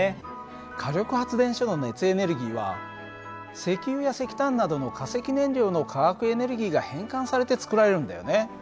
火力発電所の熱エネルギーは石油や石炭などの化石燃料の化学エネルギーが変換されて作られるんだよね。